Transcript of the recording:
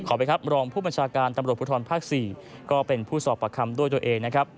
ขอบบ่อยครับรองผู้บัญชาการบุฒาฬิกาศาสตรีภูทรภาค๔ก็เป็นผู้สอบปากคำด้วยตัวเอง